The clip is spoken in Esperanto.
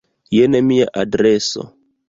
Jen mia adreso.